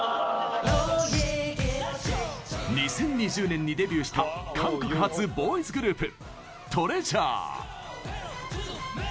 ２０２０年にデビューした韓国発ボーイズグループＴＲＥＡＳＵＲＥ。